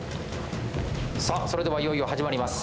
さあそれではいよいよ始まります。